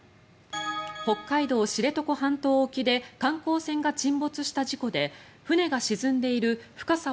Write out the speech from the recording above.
北海道・知床半島沖で観光船が沈没した事故で船が沈んでいる深さ